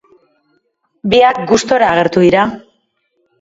Biak gustura agertu dira.